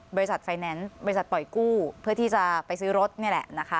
บริษัทไฟแนนซ์บริษัทปล่อยกู้เพื่อที่จะไปซื้อรถนี่แหละนะคะ